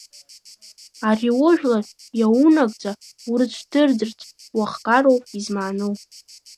Ари ужәлар иаунагӡа урыцәдырӡырц уахгароуп измааноу!